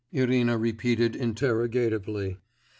Irina repeated interrogatively.